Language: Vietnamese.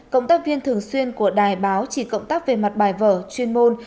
cộng tác viên thường xuyên của đài báo chỉ cộng tác về mặt bài vở chuyên môn